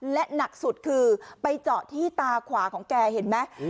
และหนักสุดคือไปเจาะที่ตาขวาของแกเห็นไหม